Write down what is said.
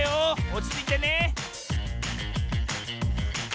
おちついてね